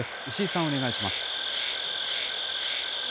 石井さん、お願いします。